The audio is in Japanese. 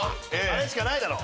あれしかないだろ！